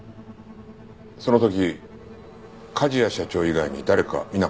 その時梶谷社長以外に誰か見なかったか？